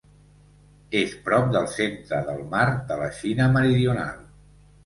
És prop del centre del Mar de la Xina Meridional.